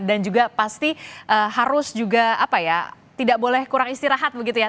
dan juga pasti harus juga apa ya tidak boleh kurang istirahat begitu ya